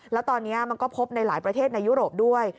แล้วตอนนี้มันก็พบในหลายประเทศในยุโรปด้วย